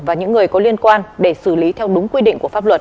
và những người có liên quan để xử lý theo đúng quy định của pháp luật